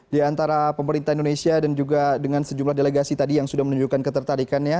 di antara pemerintah indonesia dan juga dengan sejumlah delegasi tadi yang sudah menunjukkan ketertarikannya